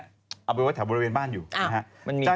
เอาไปไว้แถวบริเวณบ้านอยู่นะฮะ